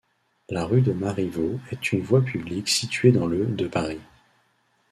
La rue de Marivaux est une voie publique située dans le de Paris.